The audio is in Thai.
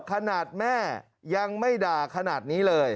ขนาดแม่ยังไม่ด่าขนาดนี้เลย